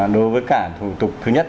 đối với cả thủ tục thứ nhất